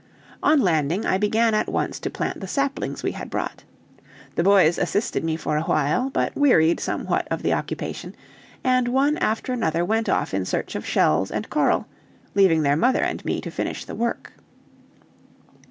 On landing, I began at once to plant the saplings we had brought. The boys assisted me for a while, but wearied somewhat of the occupation, and one after another went off in search of shells and coral, leaving their mother and me to finish the work.